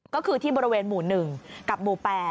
ก็คือที่บริเวณหมู่๑กับหมู่๘